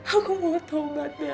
aku mau tahu bella